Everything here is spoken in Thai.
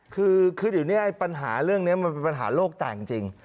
คือเดี๋ยวนี้ปัญหาเรื่องนี้มันเป็นปัญหาโลกแตกจริง